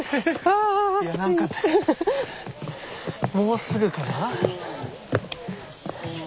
もうすぐかな？